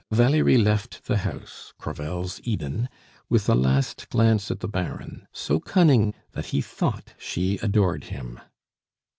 Valerie left the house, Crevel's Eden, with a last glance at the Baron, so cunning that he thought she adored him.